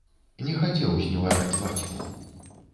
Не хацеў зневажаць бацьку.